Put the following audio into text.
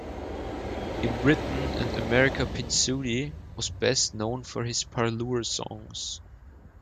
In Britain and America Pinsuti was best known for his parlour songs.